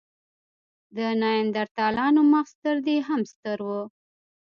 د نایندرتالانو مغز تر دې هم ستر و.